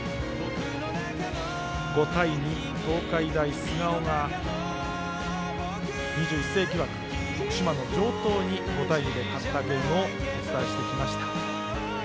５対２と東海大菅生が２１世紀枠、徳島の城東に勝ったゲームをお伝えしました。